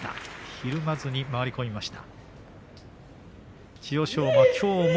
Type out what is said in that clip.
ひるまずに回り込みました。